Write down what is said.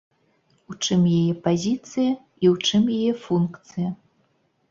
У чым яе пазіцыя і ў чым яе функцыя.